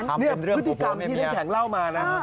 นี่พฤติกรรมที่น้ำแข็งเล่ามานะ